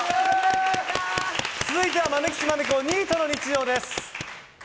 続いては「まめきちまめこニートの日常」。